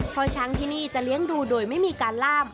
เพราะช้างที่นี่จะเลี้ยงดูโดยไม่มีการล่าม